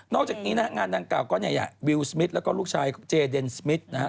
อกจากนี้นะฮะงานดังกล่าก็เนี่ยวิวสมิทแล้วก็ลูกชายเจเดนสมิทนะฮะ